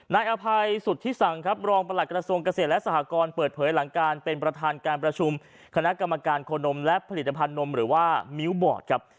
นายอภัยสุทธิสังครับรองประหลักกระทรวงเกษตรและสหกรณ์เปิดเผยหลังการเป็นประธานการประชุมคณะกรรมการโคนมและผลิตภัณฑนมหรือว่ามิ้วบอร์ดครับ